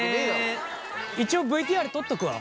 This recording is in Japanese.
一応ＶＴＲ撮っとくわ。